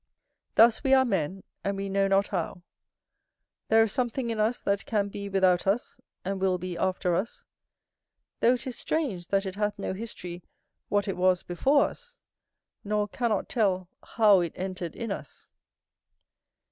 Thus we are men, and we know not how; there is something in us that can be without us, and will be after us, though it is strange that it hath no history what it was before us, nor cannot tell how it entered in us.